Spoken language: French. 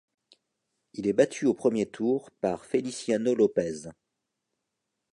Il est battu au premier tour par Feliciano López.